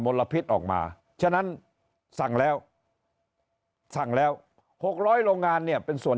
ลพิษออกมาฉะนั้นสั่งแล้วสั่งแล้ว๖๐๐โรงงานเนี่ยเป็นส่วน